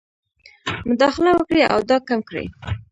مداخله وکړي او دا کم کړي.